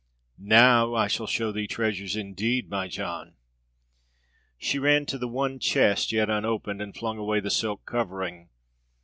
"Now I shall show thee treasures indeed, my John!" She ran to the one chest yet unopened, and flung away the silk covering.